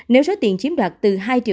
nếu số tiền chiếm đoạt từ hai triệu